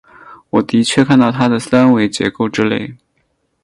我的确看到它的三维结构之类。